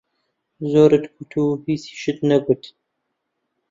زۆرت گوت و هیچیشت نەگوت!